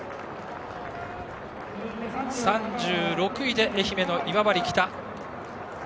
３６位で愛媛の今治北。